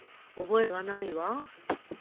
覚えがないわ。